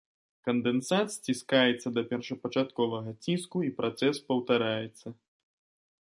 Кандэнсат сціскаецца да першапачатковага ціску і працэс паўтараецца.